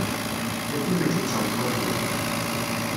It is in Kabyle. Taki mačči d tameṭṭut-iw.